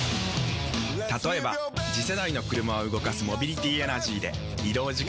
例えば次世代の車を動かすモビリティエナジーでまジカ⁉人間！